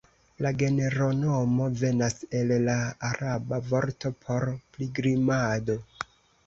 La genronomo venas el la araba vorto por "pilgrimado".